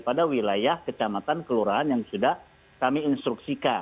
pada wilayah kecamatan kelurahan yang sudah kami instruksikan